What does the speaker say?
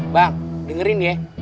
bang dengerin ya